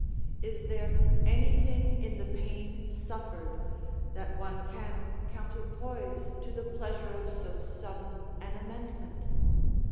Is there anything in the pain suffered, that one can counterpoise to the pleasure of so sudden an amendment?